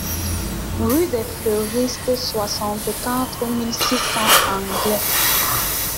Rue des Fleuristes, soixante-quatre mille six cents Anglet